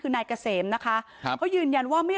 เพราะพ่อเชื่อกับจ้างหักข้าวโพด